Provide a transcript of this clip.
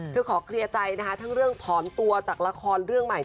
ขอเคลียร์ใจนะคะทั้งเรื่องถอนตัวจากละครเรื่องใหม่